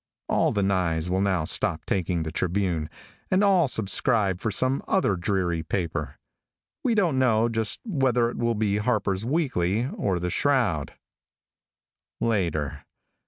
All the Nyes will now stop taking the Tribune, and all subscribe for some other dreary paper. We don't know just whether it will be Harper's Weekly, or the Shroud. Later.